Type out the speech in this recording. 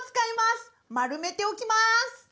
丸めておきます！